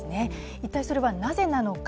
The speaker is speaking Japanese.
一体それはなぜなのか。